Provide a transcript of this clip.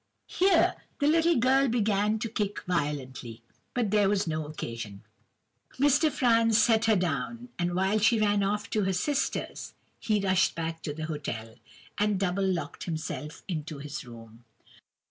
"Here the little girl began to kick violently; but there was no occasion. Mr. Franz set her down, and while she ran off to her sisters, he rushed back to the hotel, and double locked himself into his room.